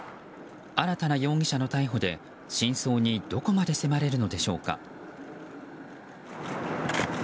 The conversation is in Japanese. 新たな容疑者の逮捕で、真相にどこまで迫れるのでしょうか。